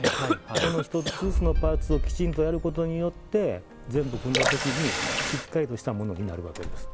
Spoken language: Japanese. この１つずつのパーツをきちんとやることによって全部組んだときにしっかりとしたものになるわけです。